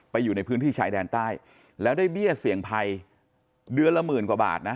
อยู่ในพื้นที่ชายแดนใต้แล้วได้เบี้ยเสี่ยงภัยเดือนละหมื่นกว่าบาทนะ